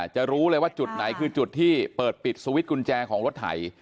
จะรู้เลยว่าจุดไหนคือจุดที่เปิดปิดสวิตช์กุญแจของรถไถ